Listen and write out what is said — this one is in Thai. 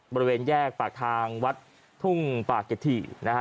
บริเวณแยกปากทางวัดทุ่งปากเกดถี่นะฮะ